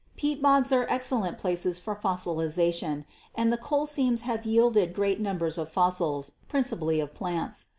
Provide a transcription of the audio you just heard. Peat bogs are excellent places for fossilization, and the coal seams have yielded great numbers of fossils, principally of plants.